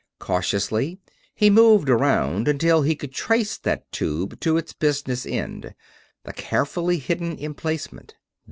Cautiously he moved around until he could trace that tube to its business end the carefully hidden emplacement.